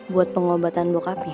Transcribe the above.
buat pengobatan bokapnya